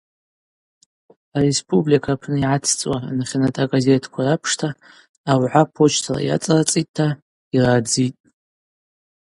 Ареспублика апны йгӏацӏцӏуа анахьанат агазетква рапшта ауагӏа почтала йацӏарцӏитӏта йрадзитӏ.